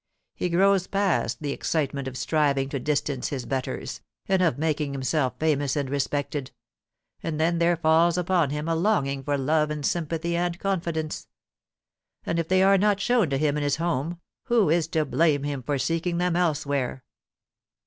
He grows past the excitement of striving to distance his betters, and of making himself famous and respected ; and then there falls upon him a longing for love and sympathy and confidence ; and if they are not shown to him in his home, who is to blame him for seeking them elsewhere